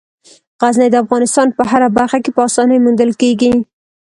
غزني د افغانستان په هره برخه کې په اسانۍ موندل کېږي.